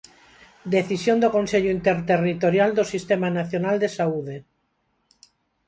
Decisión do Consello Interterritorial do sistema nacional de saúde.